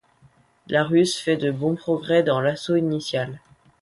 La russe fait de bons progrès dans l'assaut initial.